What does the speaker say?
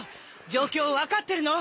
状況を分かってるの！？